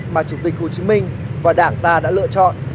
mà chủ tịch hồ chí minh và đảng ta đã lựa chọn